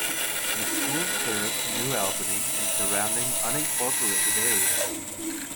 The school serves New Albany and surrounding unincorporated areas.